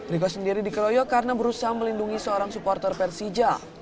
riko sendiri dikeroyok karena berusaha melindungi seorang supporter persija